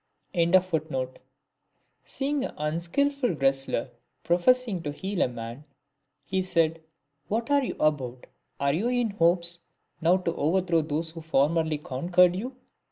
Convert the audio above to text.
"* Seeing an unskilful wrestler professing to heal a man he said, " What are you about, are you in hopes now to overthrow those who formerly conquered you